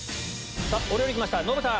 お料理来ましたノブさん。